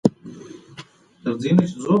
دا کار به څومره وخت ونیسي چې پای ته ورسیږي؟